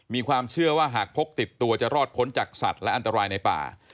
มีความเชื่อว่าหากพกติดตัวจะรอดพ้นจากสัตว์และอันตรายในป่า